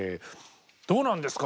どうなんですか？